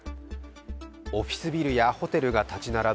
オフィスビルやホテルが立ち並ぶ